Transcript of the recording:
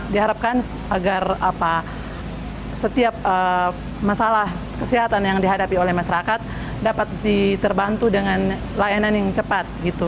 diharapkan agar setiap masalah kesehatan yang dihadapi oleh masyarakat dapat diterbantu dengan layanan yang cepat